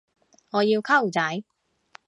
我要溝仔